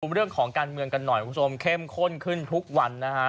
เรื่องของการเมืองกันหน่อยคุณผู้ชมเข้มข้นขึ้นทุกวันนะฮะ